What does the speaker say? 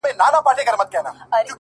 دا زما د کوچنيوالي غزل دی ،،